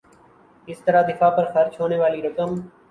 اس طرح دفاع پر خرچ ہونے والی رقم